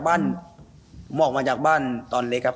เพราะผมออกมาจากบ้านตอนเล็กครับ